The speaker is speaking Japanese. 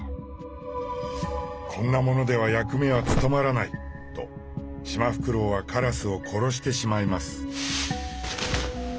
「こんな者では役目は務まらない」とシマフクロウはカラスを殺してしまいます。